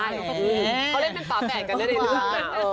เขาเล่นเป็นป๊าแก่กันได้เลย